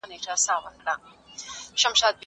موږ باید یو له بل سره علمي همکاري وکړو.